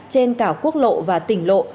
trên cả quốc lộ và tỉnh lộ